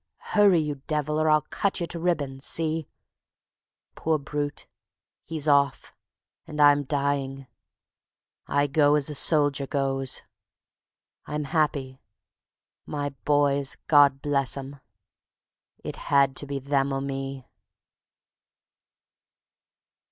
... Hurry, you devil, or I'll cut you to ribands. ... See ..." Poor brute! he's off! and I'm dying. ... I go as a soldier goes. I'm happy. My Boys, God bless 'em! ... It had to be them or me.